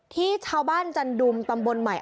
ที่ชาวบ้านจันดุมตำบลใหม่